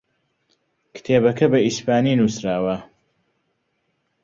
کتێبەکە بە ئیسپانی نووسراوە.